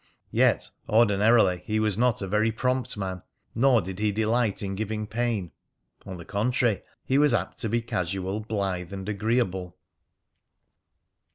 Yet, ordinarily, he was not a very prompt man, nor did he delight in giving pain. On the contrary, he was apt to be casual, blithe, and agreeable.